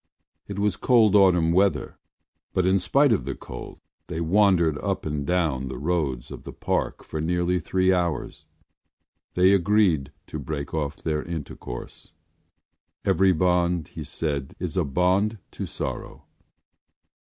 It was cold autumn weather but in spite of the cold they wandered up and down the roads of the Park for nearly three hours. They agreed to break off their intercourse: every bond, he said, is a bond to sorrow.